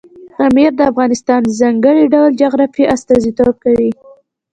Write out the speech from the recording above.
پامیر د افغانستان د ځانګړي ډول جغرافیه استازیتوب کوي.